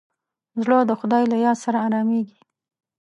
زړه د خدای له یاد سره ارامېږي.